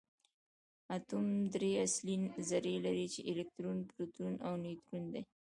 اتوم درې اصلي ذرې لري چې الکترون پروټون او نیوټرون دي